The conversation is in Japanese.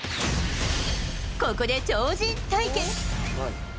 ここで超人対決。